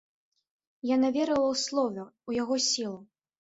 Яна верыла ў слова, у яго сілу.